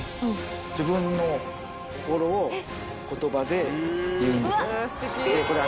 自分の心を言葉で言うんでしょ。